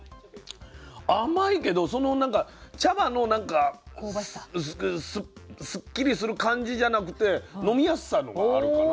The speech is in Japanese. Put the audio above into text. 甘いけどその茶葉のすっきりする感じじゃなくて飲みやすさのほうがあるかな。